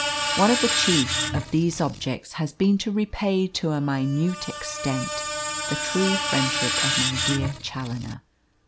One of the chief of these objects has been to repay to a minute extent the true friendship of my dear Challoner.